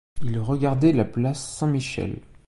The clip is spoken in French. Il regardait la place Saint-Michel.